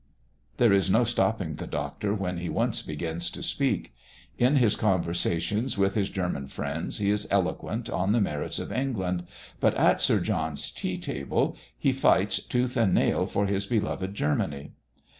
There is no stopping the Doctor when he once begins to speak. In his conversations with his German friends, he is eloquent on the merits of England; but at Sir John's tea table he fights tooth and nail for his beloved Germany.